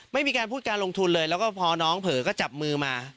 ไม่มีการพูดการลงทุนเลยแล้วก็พอน้องเผลอก็จับมือมา